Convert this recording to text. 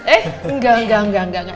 eh enggak enggak enggak